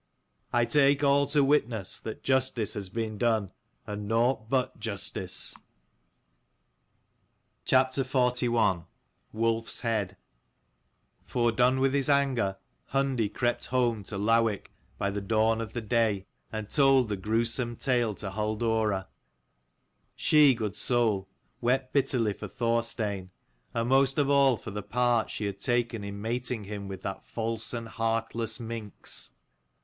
I take all to witness that justice has been done, and nought but justice." 232 fOREDONE with his anger, CHAPTER Hundi crept home to Lowick XLI. |by the dawn of the day, and WOLF'S [told the grewsome tale to Hall HEAD. Idora. She, good soul, wept [bitterly for Thorstein, and most of all for the part she had taken in mating him with that false and heartless minx.